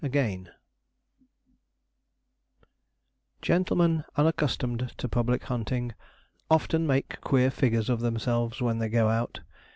AGAIN Gentlemen unaccustomed to public hunting often make queer figures of themselves when they go out.